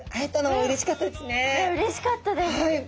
うれしかったです。